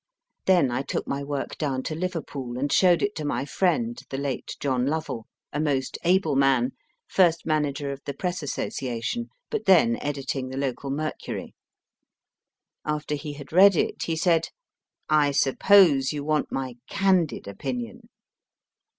Then I took my work down to Liverpool, and showed it to my friend, the late John Lovell, a most able man, first manager of the Press Association, but then editing the local Mercury. After he had read it he said, I suppose you want my candid opinion